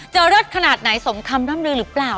เลิศขนาดไหนสมคำร่ำลือหรือเปล่า